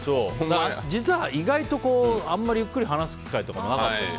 実は意外とあんまりゆっくり話す機会もなかったし。